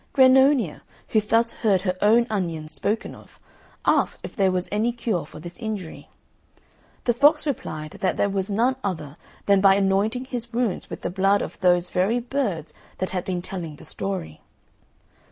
Grannonia, who thus heard her own onions spoken of, asked if there was any cure for this injury. The fox replied that there was none other than by anointing his wounds with the blood of those very birds that had been telling the story.